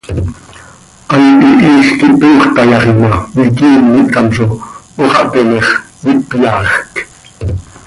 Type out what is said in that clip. Hant hihiij quih toox tayaxi ma, iquiim ihtamzo, hoo xah teme x, ihpyaajc.